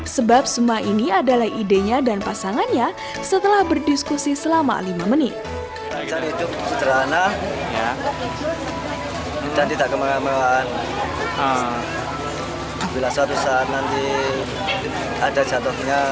sebab semua ini adalah idenya dan pasangannya setelah berdiskusi selama lima menit